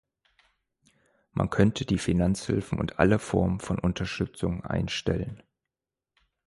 Man könnte die Finanzhilfen und alle Formen von Unterstützung einstellen.